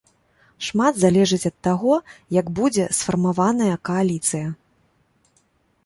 Шмат залежыць ад таго, як будзе сфармаваная кааліцыя.